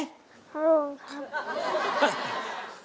โล่งครับ